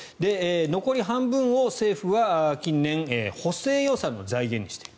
残り半分を政府は近年補正予算の財源にしている。